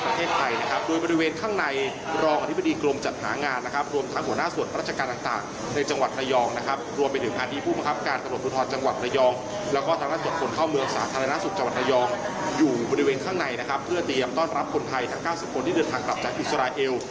เพื่อเตรียมต้อนรับคนไทยทั้ง๙๐คนที่เดินทางกลับจากอิสราเอล